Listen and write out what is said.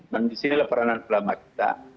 dan disinilah peranan selama kita